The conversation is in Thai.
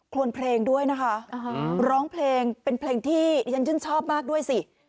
ใครลองเพลงดอ้ะเป็นเพลงที่ช้อบมากด้วยสิ